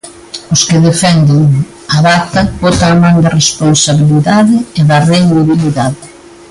Os que defenden a data botan man da responsabilidade e da rendibilidade.